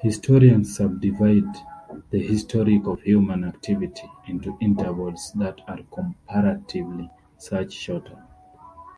Historians subdivide the history of human activity into intervals that are comparatively much shorter.